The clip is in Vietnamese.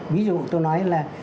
ví dụ tôi nói là